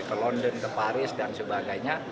ke london ke paris dan sebagainya